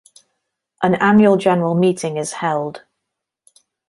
An Annual General Meeting is held.